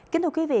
kính thưa quý vị